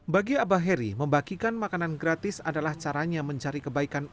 bagi abah heri membagikan makanan gratis adalah caranya mencari kebaikan